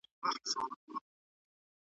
مطالعه د ماشوم لپاره د ذهن روزنه ده.